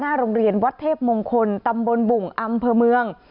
โรงเรียนวัดเทพมงคลตำบลบุ่งอำเภอเมือง